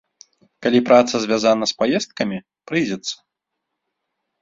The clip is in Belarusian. Калі праца звязана з паездкамі, прыйдзецца.